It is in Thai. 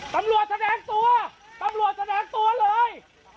ตำรวจแสดงตัวตำรวจแสดงตัวเลย